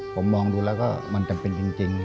ผมมองดูแล้วก็มันจำเป็นจริง